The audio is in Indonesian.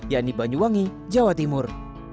yang dipanyuwangi jawa timur